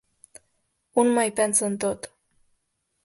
Un mai pensa en tot.